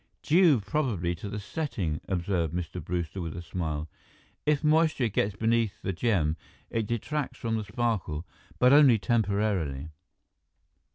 "Due probably to the setting," observed Mr. Brewster with a smile. "If moisture gets beneath the gem, it detracts from the sparkle, but only temporarily."